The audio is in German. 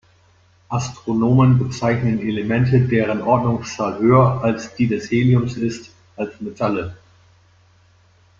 Astronomen bezeichnen Elemente, deren Ordnungszahl höher als die des Heliums ist, als „Metalle“.